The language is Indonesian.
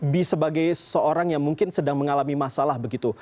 b sebagai seorang yang mungkin sedang mengalami masalah begitu